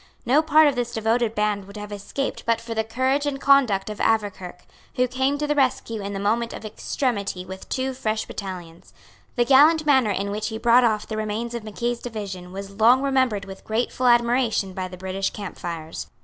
No part of this devoted band would have escaped but for the courage and conduct of Auverquerque, who came to the rescue in the moment of extremity with two fresh battalions. The gallant manner in which he brought off the remains of Mackay's division was long remembered with grateful admiration by the British camp fires.